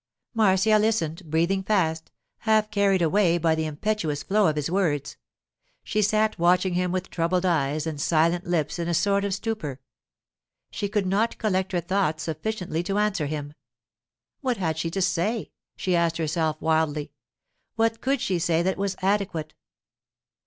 Marcia listened, breathing fast, half carried away by the impetuous flow of his words. She sat watching him with troubled eyes and silent lips in a sort of stupor. She could not collect her thoughts sufficiently to answer him. What had she to say? she asked herself wildly. What could she say that was adequate?